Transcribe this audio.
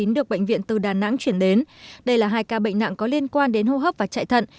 được bệnh viện từ đà nẵng chuyển đến đây là hai ca bệnh nặng có liên quan đến hô hấp và chạy thận